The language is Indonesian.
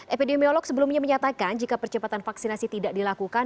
epidemiolog sebelumnya menyatakan jika percepatan vaksinasi tidak dilakukan